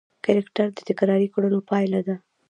کرکټر د تکراري کړنو پایله ده.